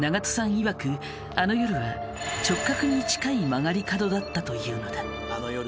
いわくあの夜は直角に近い曲がり角だったというのだ。